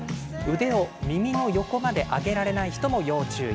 腕を耳の横まで上げられない人も要注意。